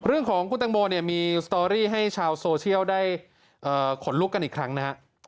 เรื่องของคุณตังโมเนี่ยมีสตอรี่ให้ชาวโซเชียลได้ขนลุกกันอีกครั้งนะฮะ